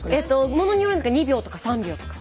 ものによるんですが２秒とか３秒とか。